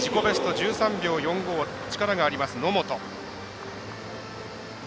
１３秒４５は力があります、野本。